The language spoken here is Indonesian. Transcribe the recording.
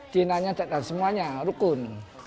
tidak ada beda antara ras ras suku tidak ada pak rukun